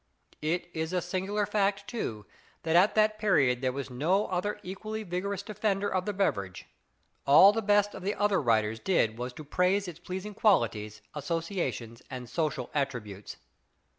It is a singular fact, too, that at that period there was no other really vigorous defender of the beverage. All the best of the other writers did was to praise its pleasing qualities, associations, and social attributes.